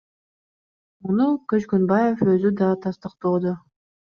Муну Көчкөнбаев өзү да тастыктоодо.